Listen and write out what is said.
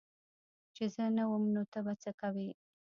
چي زه نه وم نو ته به څه کوي